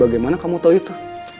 bagaimana kamu tahu itu